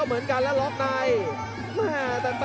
โอ้โหไม่พลาดกับธนาคมโด้แดงเขาสร้างแบบนี้